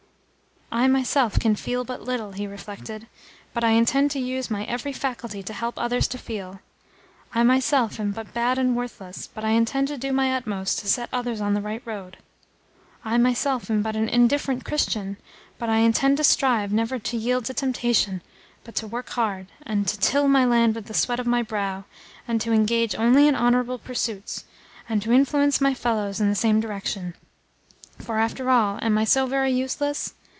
"I myself can feel but little," he reflected, "but I intend to use my every faculty to help others to feel. I myself am but bad and worthless, but I intend to do my utmost to set others on the right road. I myself am but an indifferent Christian, but I intend to strive never to yield to temptation, but to work hard, and to till my land with the sweat of my brow, and to engage only in honourable pursuits, and to influence my fellows in the same direction. For, after all, am I so very useless?